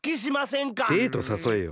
デートさそえよ。